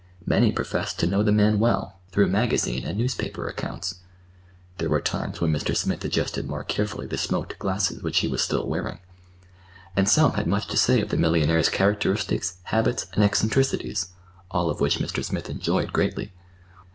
Many professed to know the man well, through magazine and newspaper accounts (there were times when Mr. Smith adjusted more carefully the smoked glasses which he was still wearing); and some had much to say of the millionaire's characteristics, habits, and eccentricities; all of which Mr. Smith enjoyed greatly.